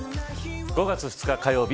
５月２日火曜日